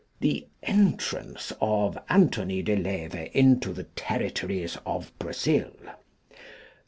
The Entrance of Anthony de Leve into the Territories of Brazil.